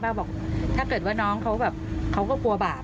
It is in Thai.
บอกถ้าเกิดว่าน้องเขาแบบเขาก็กลัวบาป